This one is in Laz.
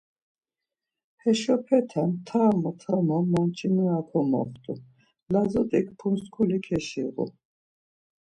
Heşopete tamo tamo monç̌inora komoxtu, lazut̆ik puntskuli keşiğu.